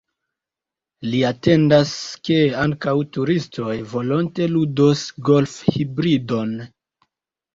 Li atendas, ke ankaŭ turistoj volonte ludos golfhibridon.